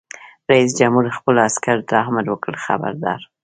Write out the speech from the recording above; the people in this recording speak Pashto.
رئیس جمهور خپلو عسکرو ته امر وکړ؛ خبردار!